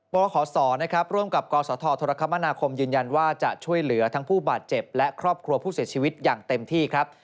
รขศนะครับร่วมกับกศธรคมนาคมยืนยันว่าจะช่วยเหลือทั้งผู้บาดเจ็บและครอบครัวผู้เสียชีวิตอย่างเต็มที่ครับ